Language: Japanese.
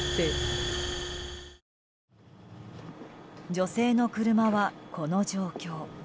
女性の車はこの状況。